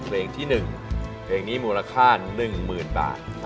เพลงที่๑เพลงนี้มูลค่า๑๐๐๐บาท